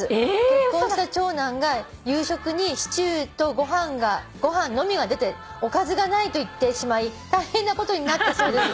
結婚した長男が夕食にシチューとご飯のみが出ておかずがないと言ってしまい大変なことになったそうです」